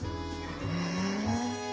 へえ。